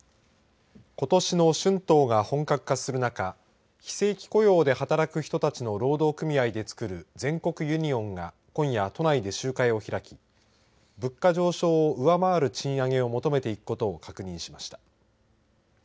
ことしの春闘が本格化する中非正規雇用で働く人たちの労働組合で作る全国ユニオンが今夜、都内で集会を開き物価上昇を上回る賃上げを求めていくことを確認しました。